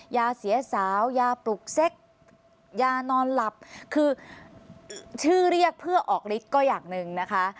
ยาเสียสาวยาปลุกเซ็กยานอนหลับคือชื่อเรียกเพื่อออกฤทธิ์ก็อย่างหนึ่งนะคะ